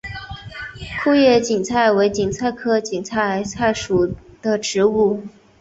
库页堇菜为堇菜科堇菜属的植物。